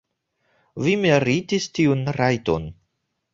Vi meritis tiun rajton.